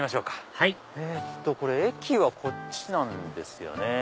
はい駅はこっちなんですよね。